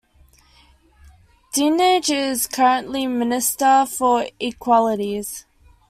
Dinenage is currently Minister for Equalities.